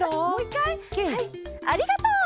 はい「ありがとう！」。